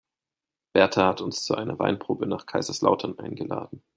Berta hat uns zu einer Weinprobe nach Kaiserslautern eingeladen.